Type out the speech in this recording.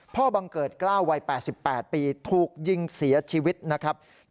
บังเกิดกล้าววัย๘๘ปีถูกยิงเสียชีวิตนะครับ